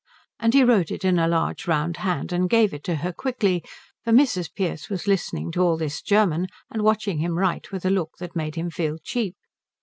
And he wrote it in a large round hand and gave it to her quickly, for Mrs. Pearce was listening to all this German and watching him write with a look that made him feel cheap.